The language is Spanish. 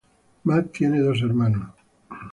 Matt tiene dos hermanos.